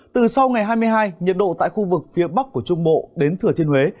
từ sau ngày hai mươi hai nhiệt độ tại khu vực phía bắc của trung bộ đến thừa thiên huế